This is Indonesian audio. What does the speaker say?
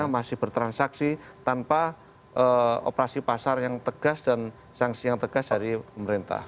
masih bertransaksi tanpa operasi pasar yang tegas dan sanksi yang tegas dari pemerintah